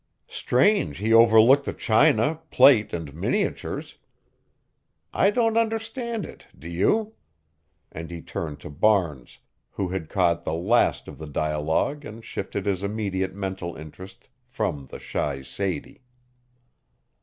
"Strange he overlooked the china, plate and miniatures. I don't understand it, do you?" and he turned to Barnes, who had caught the last of the dialogue and shifted his immediate mental interest from the shy Sadie.